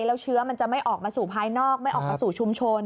แล้วเชื้อมันจะไม่ออกมาสู่ภายนอกไม่ออกมาสู่ชุมชน